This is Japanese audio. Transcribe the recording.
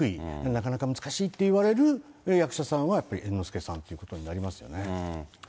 なかなか難しいっていわれる役者さんはやっぱり猿之助さんということになりますよね。